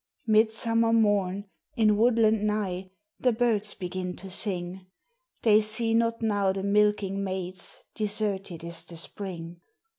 Midsummer morn, in woodland nigh, the birds begin to sing; They see not now the milking maids, deserted is the spring!